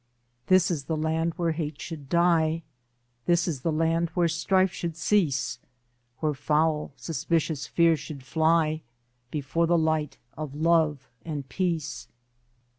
This is the land where hate should die This is the land where strife should cease, Where foul, suspicious fear should fly Before the light of love and peace.